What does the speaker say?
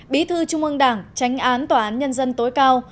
bí thư trung ương đảng tránh án tòa án nhân dân tối cao